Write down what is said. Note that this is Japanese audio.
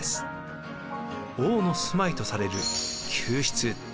王の住まいとされる宮室